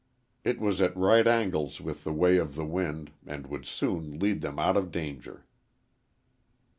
It was at right angles with the way of the wind and would soon lead them out of danger.